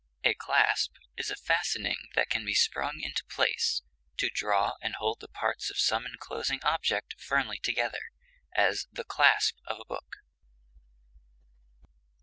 A clasp is a fastening that can be sprung into place, to draw and hold the parts of some enclosing object firmly together, as the clasp of a book.